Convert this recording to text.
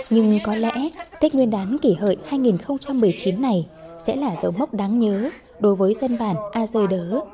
nhưng có lẽ tết nguyên đán kỷ hợi hai nghìn một mươi chín này sẽ là dấu mốc đáng nhớ đối với dân bản a dơi đớ